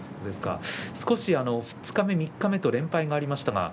少し二日目、三日目と連敗がありました。